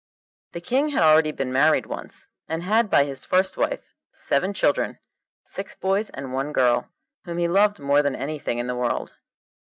The King had already been married once, and had by his first wife seven children, six boys and one girl, whom he loved more than anything in the world.